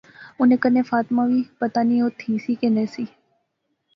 انیں کنے فاطمہ وی۔۔۔ پتہ نی او تھی سی کہ نہسی